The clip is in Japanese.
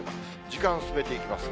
時間進めていきます。